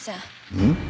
うん？